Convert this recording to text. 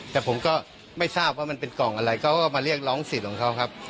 แต่ผมก็ไม่ทราบว่ามันเป็นกล่องอะไรเขาก็มาเรียกร้องสิทธิ์ของเขาครับ